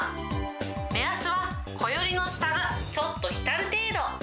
目安はこよりの下がちょっと浸る程度。